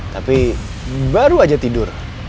tapi baru aja tidur